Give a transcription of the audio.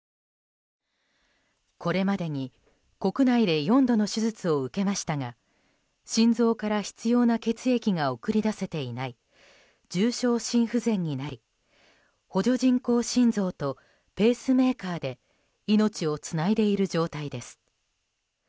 これまでに国内で４度の手術を受けましたが心臓から必要な血液が送り出せていない重症心不全になり補助人工心臓とペースメーカーで命をつないでいる状態です。